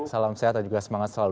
salam sehat dan juga semangat selalu